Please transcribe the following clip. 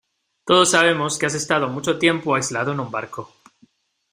todos sabemos que has estado mucho tiempo aislado en un barco.